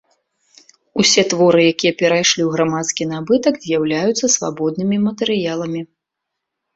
Усе творы, якія перайшлі ў грамадскі набытак, з'яўляюцца свабоднымі матэрыяламі.